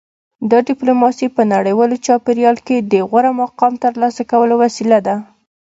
دا ډیپلوماسي په نړیوال چاپیریال کې د غوره مقام ترلاسه کولو وسیله ده